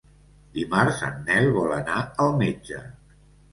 Dimarts en Nel vol anar al metge.